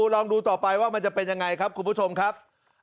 ลองดูต่อไปว่ามันจะเป็นยังไงครับคุณผู้ชมครับ